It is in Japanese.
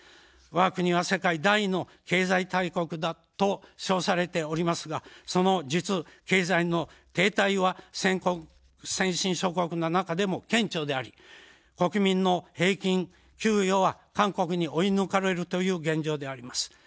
わが国は世界第２位の経済大国だと称されておりますが、その実、経済の停滞は先進諸国の中でも顕著であり、国民の平均給与は韓国に追い抜かれるという現状であります。